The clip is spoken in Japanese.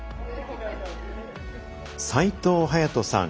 齊藤隼人さん